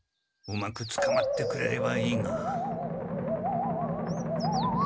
うまくつかまってくれればいいが。